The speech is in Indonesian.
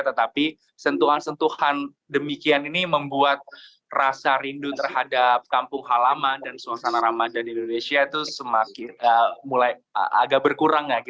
tetapi sentuhan sentuhan demikian ini membuat rasa rindu terhadap kampung halaman dan suasana ramadan di indonesia itu mulai agak berkurang